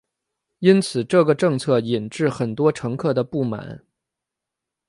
因此这个政策引致很多乘客的不满。